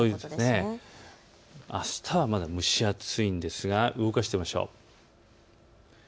あしたはまだ蒸し暑いんですが、動かしてみましょう。